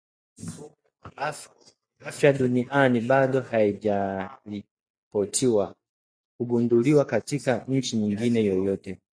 Afya Duniani bado haijaripotiwa kugunduliwa katika nchi nyingine yoyote